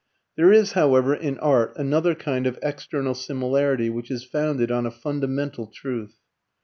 There is, however, in art another kind of external similarity which is founded on a fundamental truth.